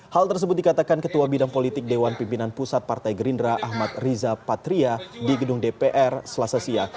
hal tersebut dikatakan ketua bidang politik dewan pimpinan pusat partai gerindra ahmad riza patria di gedung dpr selasasia